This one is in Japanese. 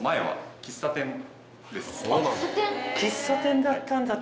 喫茶店だったんだって。